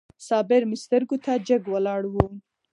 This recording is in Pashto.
صابر مې سترګو ته جګ ولاړ و.